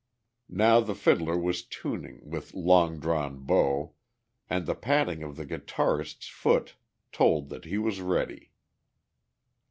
Now the fiddler was tuning with long drawn bow, and the patting of the guitarist's foot told that he was ready.